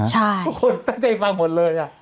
ทุกคนตั้งใจฟังหมดเลย